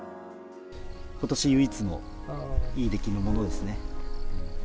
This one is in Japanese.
ことし唯一の、いい出来のものですね。